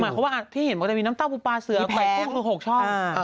หมายความว่าพี่เห็นว่าจะมีน้ำเต้าปูปลาเสือไปทุกนึง๖ช่อง